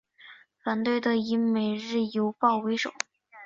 反对的以每日邮报为首。